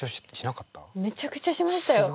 めちゃくちゃしましたよ。